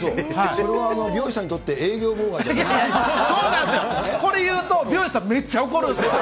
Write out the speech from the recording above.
それは美容師さんにとそうなんですよ、これ言うと美容師さん、めっちゃ怒るんですよ。